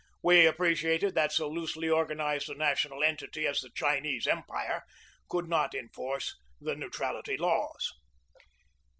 We appreciated that so loosely organized a national entity as the Chinese Empire could not enforce the neutrality laws.